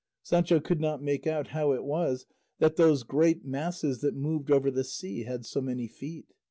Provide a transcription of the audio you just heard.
Sancho could not make out how it was that those great masses that moved over the sea had so many feet.